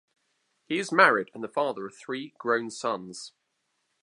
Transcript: He is married and the father of three grown sons.